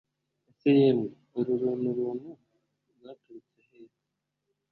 ese yemwe uru runturuntu rwaturutse hehe